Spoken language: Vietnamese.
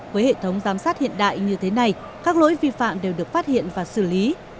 với hệ thống giám sát hiện đại như thế này các lỗi vi phạm đều được phát hiện và xử lý